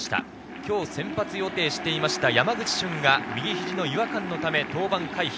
今日、先発予定していた山口俊が右肘の違和感のため登板回避。